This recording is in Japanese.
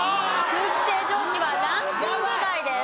空気清浄機はランキング外です。